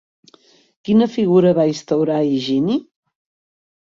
Quina figura va instaurar Higini?